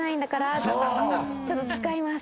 ちょっと使います。